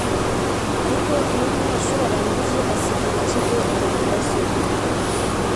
kuko iyo umunyeshuri arangije asigira ikigo iyo mudasobwa